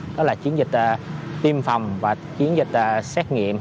đó là chiến dịch tiêm phòng và chiến dịch xét nghiệm